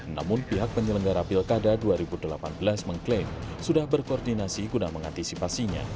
namun pihak penyelenggara pilkada dua ribu delapan belas mengklaim sudah berkoordinasi guna mengantisipasinya